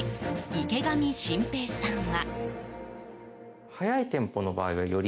池上真平さんは。